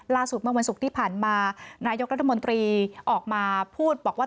ล่าสุดเมื่อวันศุกร์ที่ผ่านมานายกรัฐมนตรีออกมาพูดบอกว่า